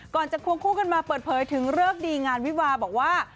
จะควงคู่กันมาเปิดเผยถึงเลิกดีงานวิวาบอกว่า